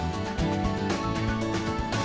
perubahan tata kota